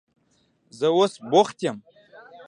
زه اوس بوخت یم.